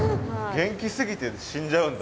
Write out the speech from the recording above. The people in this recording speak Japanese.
元気すぎて死んじゃうんだ。